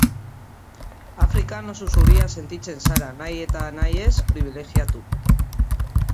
Afrikan oso zuria sentitzen zara, nahi eta nahi ez pribilegiatu.